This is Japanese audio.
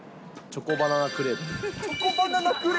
チョコバナナクレープ？